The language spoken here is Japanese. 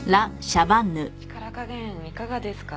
力加減いかがですか？